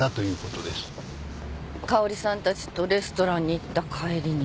香織さんたちとレストランに行った帰りに。